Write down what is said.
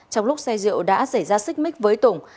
trong lúc xe rượu đã xảy ra xích mích với tùng